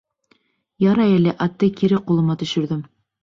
Ярай әле атты кире ҡулыма төшөрҙөм.